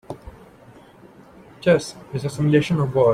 Chess is a simulation of war.